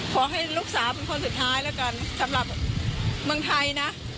ขอให้ลูกสาวเป็นคนสุดท้ายแล้วกันสำหรับเมืองไทยนะ